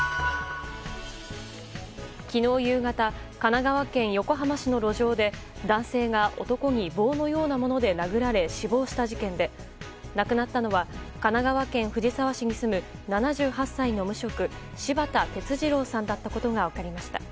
昨日夕方神奈川県横浜市の路上で男性が男に棒のようなもので殴られ死亡した事件で、亡くなったのは神奈川県藤沢市に住む７８歳の無職柴田哲二郎さんだったことが分かりました。